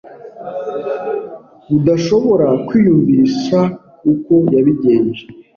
udashobora kwiyumvisha uko yabigenje